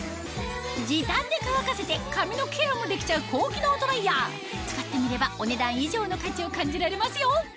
時短で乾かせて髪のケアもできちゃう高機能ドライヤー使ってみればお値段以上の価値を感じられますよ